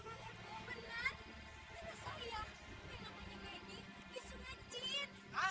ulang aja dulu kita